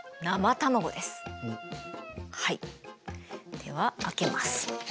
では開けます。